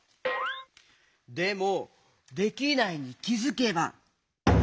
でも「できないに気づけば」？